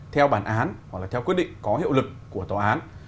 theo bản án hoặc là theo quyết định có hiệu lực của tòa án